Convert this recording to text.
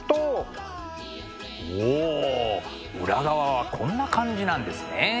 おお裏側はこんな感じなんですね。